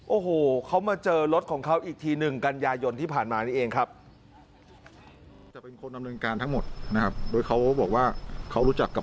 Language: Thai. โอ้โหเขามาเจอรถของเขาอีกทีหนึ่งกันยายนที่ผ่านมานี่เองครับ